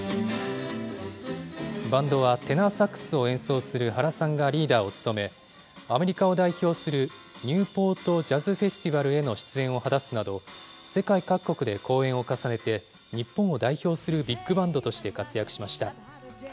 バンドは、テナーサックスを演奏する原さんがリーダーを務め、アメリカを代表するニューポート・ジャズ・フェスティバルへの出演を果たすなど、世界各国で公演を重ねて、日本を代表するビッグバンドとして活躍しました。